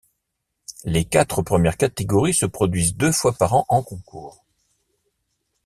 Les quatre premières catégories se produisent deux fois par an en concours.